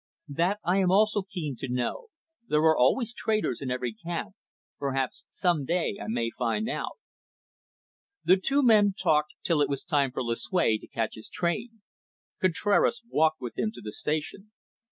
"That I am also keen to know. There are always traitors in every camp. Perhaps some day I may find out." The two men talked till it was time for Lucue to catch his train. Contraras walked with him to the station.